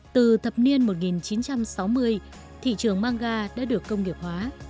từ thập niên một nghìn chín trăm sáu mươi thị trường mangga đã được công nghiệp hóa